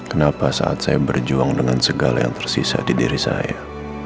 kenapa saat saya berjuang dengan segala yang tersisa di diri saya